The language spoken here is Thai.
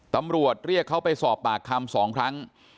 ตำรวจเรียกเขาไปสอบปากคำ๒ครั้ง